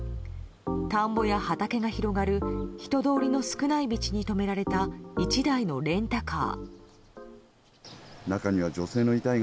田んぼや畑が広がる人通りの少ない道に止められた１台のレンタカー。